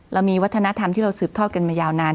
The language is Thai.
เรามีวัฒนธรรมที่เราสืบทอดกันมายาวนาน